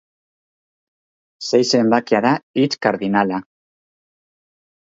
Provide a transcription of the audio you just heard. Sei zenbakia da hitz kardinala.